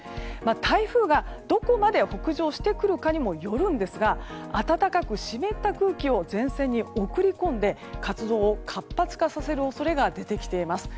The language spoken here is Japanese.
台風がどこまで北上してくるかにもよるんですが暖かく湿った空気を前線に送り込んで活動を活発化させる恐れが出てきています。